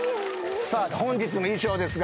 さあ本日の衣装ですが。